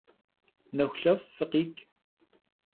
Nexulhef' fıkhiç'!